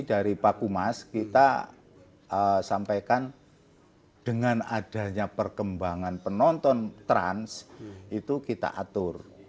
jadi dari pak umas kita sampaikan dengan adanya perkembangan penonton trans itu kita atur